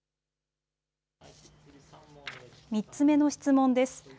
３つ目の質問です。